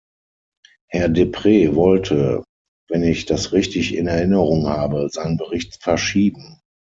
Herr Deprez wollte, wenn ich das richtig in Erinnerung habe, seinen Bericht verschieben.